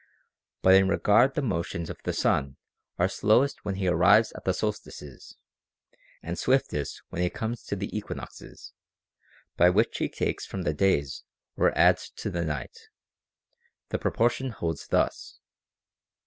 But in regard the motions of the sun are slowest when he arrives at the solstices, and swiftest when he comes to the equi noxes, by which he takes from the day or adds to the night, the proportion holds thus.